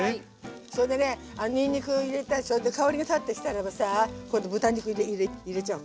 それでねにんにく入れてそれで香りが立ってきたらばさ今度豚肉入れちゃおう